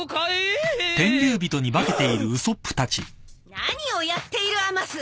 何をやっているアマス！？